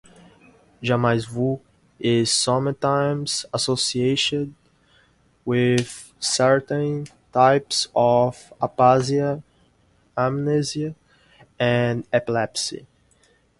"Jamais vu" is sometimes associated with certain types of aphasia, amnesia, and epilepsy.